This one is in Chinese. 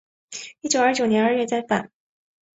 一九二九年二月再版。